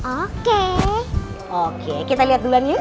oke kita liat duluan yuk